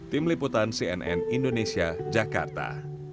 tim liputan cnn indonesia jakarta